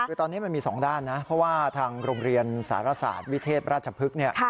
คือตอนนี้มันมีสองด้านนะเพราะว่าทางโรงเรียนสารศาสตร์วิเทศราชพฤกษ์เนี่ย